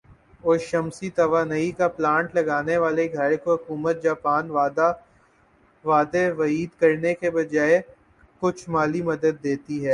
اور شمسی توانائی کا پلانٹ لگا نے والے گھر کو حکومت جاپان وعدے وعید کرنے کے بجائے کچھ مالی مدد دیتی ہے